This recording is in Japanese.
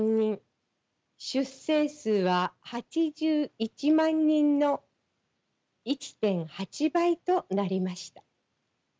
出生数８１万人の１．８倍となりました。